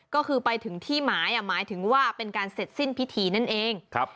ก็คือไปถึงที่หมายหมายถึงว่าเป็นการเสร็จสิ้นพิธีนั่นเอง